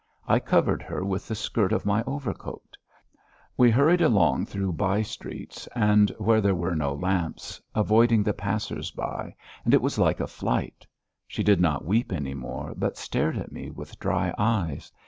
I covered her with the skirt of my overcoat; we hurried along through by streets, where there were no lamps, avoiding the passers by, and it was like a flight. She did not weep any more, but stared at me with dry eyes.